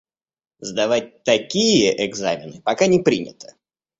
Сдавать такие экзамены пока не принято.